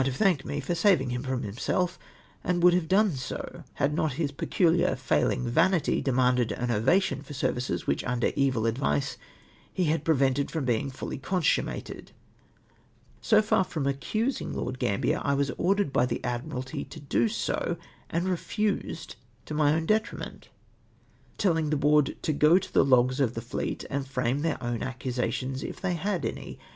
have thanked me for saving liim from himseh*, and would have done so, liad not liis pecuhar failing, vanity, demanded an ovation for services which under evil advice he had prevented from being fully consummated. So far from accusing Lord Gambier, / icas ordered by the Adiniralty to do so^ and refused, to my own de triment* ; telhng the Board to go to the logs of the fleet., and frame their oini aecusations, if they had any.